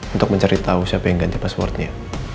untuk mencari tahu siapa yang ganti passwordnya